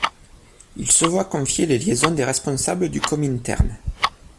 Il se voit confier les liaisons des responsables du Komintern.